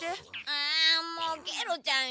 ああもうケロちゃん